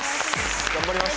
頑張ります！